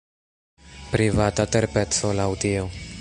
Privata terpeco, laŭ tio.